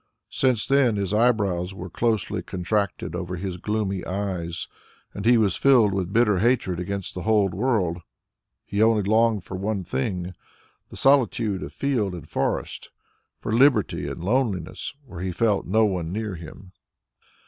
Since then his eyebrows were closely contracted over his gloomy eyes, and he was filled with bitter hatred against the whole world. He only longed for one thing, the solitude of field and forest, for liberty and loneliness, where he felt no one near him.